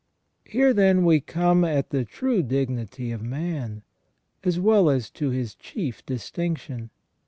Here then we come at the true dignity of man, as well as to his chief distinction.